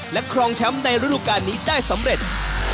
และครองแชมป์ในฤดูการนี้ได้สำเร็จ